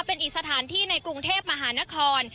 เป็นอีกสถานที่ในกรุงเทพมหานคร